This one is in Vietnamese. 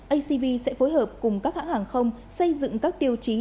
acv sẽ phối hợp cùng các hãng hàng không xây dựng các tiêu chí